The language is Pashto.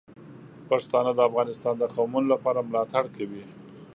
پښتانه د افغانستان د قومونو لپاره ملاتړ کوي.